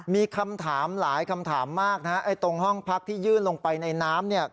มีคำถามหลายมากตรงห้องพักที่ยืนไปห้องในน้ำ